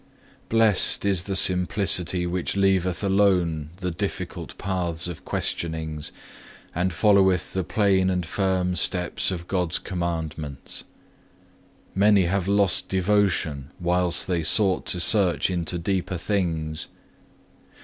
2. Blessed is the simplicity which leaveth alone the difficult paths of questionings, and followeth the plain and firm steps of God's commandments. Many have lost devotion whilst they sought to search into deeper things.